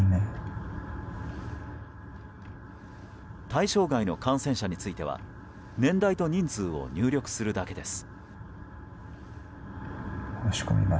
対象外の感染者については年代と人数を入力するだけです。